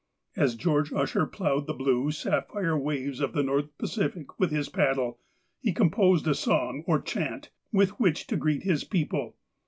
As George Usher ploughed the blue, sapphire waves of the North Pacific with his paddle, he composed a song or chant, with which to greet his people.